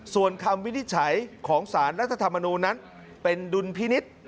ส่วนคำวินิจฉัยของสารรัฐธรรมนูลนั้นเป็นดุลพินิษฐ์